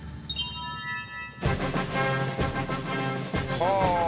はあ！